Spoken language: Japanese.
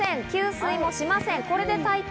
吸水もしません。